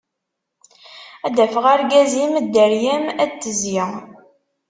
Ad d-afeɣ argaz-im, dderya-m ad d-tezzi...